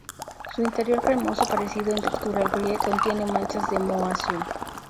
Su interior cremoso, parecido en textura al Brie, contiene manchas de moho azul.